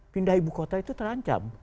pindah ibu kota itu terancam